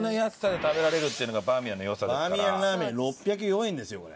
バーミヤンラーメン６０４円ですよこれ。